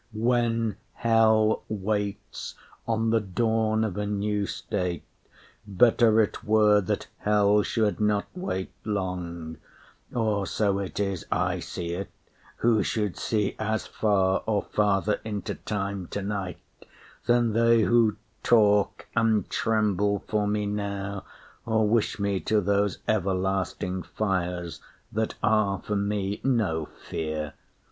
When hell waits on the dawn of a new state, Better it were that hell should not wait long, Or so it is I see it who should see As far or farther into time tonight Than they who talk and tremble for me now, Or wish me to those everlasting fires That are for me no fear.